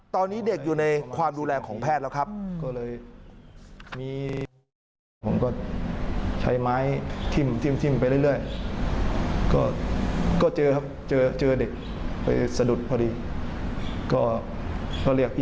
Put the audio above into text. ตอนนี้เด็กอยู่ในความดูแลของแพทย์แล้วครับ